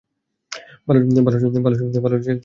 ভালো ছেলের মতো বলে ফেলো।